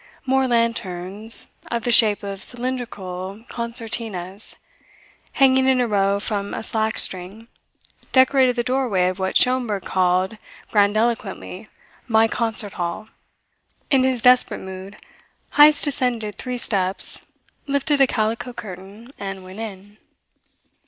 More lanterns, of the shape of cylindrical concertinas, hanging in a row from a slack string, decorated the doorway of what Schomberg called grandiloquently "my concert hall." In his desperate mood Heyst ascended three steps, lifted a calico curtain, and went in.